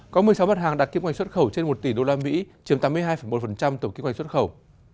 có một mươi sáu bất hàng đạt kinh hoạch xuất khẩu trên một tỷ usd chiếm tám mươi hai một tổng kinh hoạch xuất khẩu